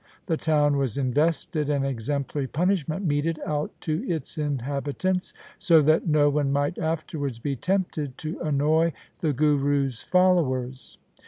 The town was invested and exemplary punishment meted out to its inhabitants, so that no one might afterwards be tempted to annoy the Guru's followers.